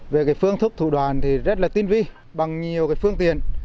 về phương thúc thủ đoàn thì rất là tiên vi bằng nhiều phương tiện